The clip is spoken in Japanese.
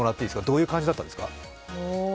どういう感じだったんですか？